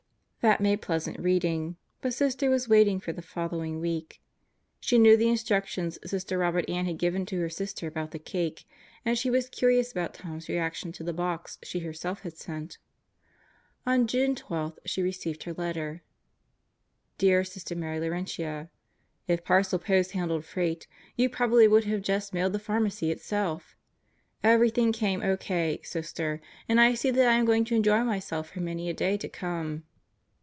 That made pleasant reading, but Sister was waiting for the following week. She knew the instructions Sister Robert Ann Birthdays in the Deathhouse 75 had given to her sister about the cake. And she was curious about Tom's reaction to the box she herself had sent. On June 12 she received her letter. Dear Sister Mary Laurentia: If parcel post handled freight, you probably would have just mailed the pharmacy itself! Everything came O.K., Sister, and I see that I am going to enjo> myself for many a day to come.